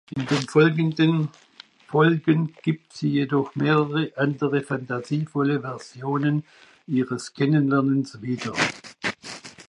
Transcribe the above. In den folgenden Folgen gibt sie jedoch mehrere andere phantasievolle Versionen ihres „Kennenlernens“ wieder.